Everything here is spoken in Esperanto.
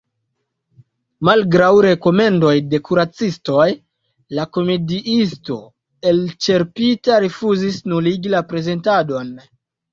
Malgraŭ rekomendoj de kuracistoj, la komediisto, elĉerpita, rifuzis nuligi la prezentadon.